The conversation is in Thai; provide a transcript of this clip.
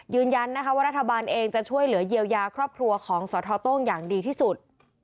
ยืนยันนะคะว่ารัฐบาลเองจะช่วยเหลือเยียวยาครอบครัวของสทโต้งอย่างดีที่สุด